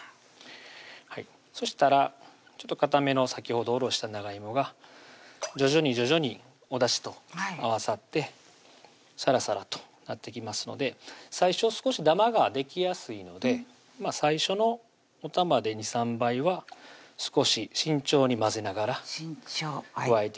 そしたらかための先ほどおろした長いもが徐々に徐々におだしと合わさってさらさらとなってきますので最初少しダマができやすいので最初のおたまで２３杯は少し慎重に混ぜながら加えていってください